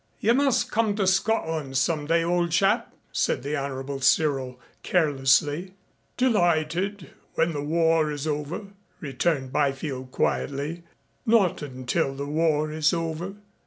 "You must come to Scotland some day, old chap," said the Honorable Cyril carelessly. "Delighted. When the war is over," returned Byfield quietly. "Not until the war is over."